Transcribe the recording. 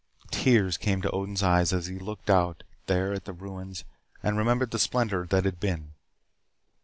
Tears came to Odin's eyes as he looked out there at the ruins and remembered the splendor that had been.